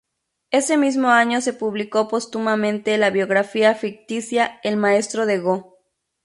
Ese mismo año se publicó póstumamente la biografía ficticia "El maestro de Go".